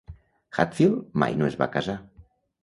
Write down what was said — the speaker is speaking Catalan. Hatfield mai no es va casar.